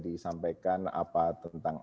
disampaikan apa tentang